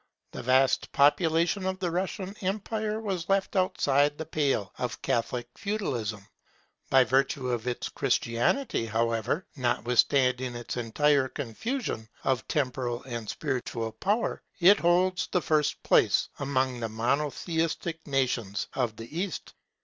The vast population of the Russian empire was left outside the pale of Catholic Feudalism. By virtue of its Christianity, however, notwithstanding its entire confusion of temporal and spiritual power, it holds the first place among the Monotheistic nations of the East.